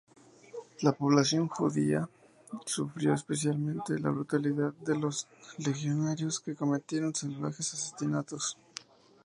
La población judía sufrió especialmente la brutalidad de los legionarios, que cometieron salvajes asesinatos.